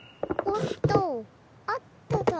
おっとと！